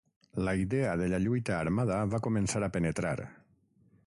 La idea de la lluita armada va començar a penetrar.